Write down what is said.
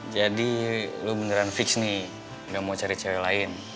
jadi lo beneran fix nih gak mau cari cewek lain